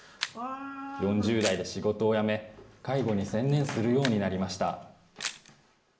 ４０代で仕事を辞め、介護に専念するようになりました。